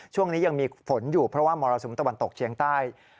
ช่วงนี้ยังมีฝนอยู่เพราะว่ามรสุมตะวันตกเชียงใต้